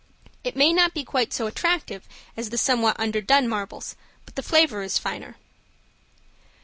It may not be quite so attractive as the somewhat underdone marbles, but the flavor is finer.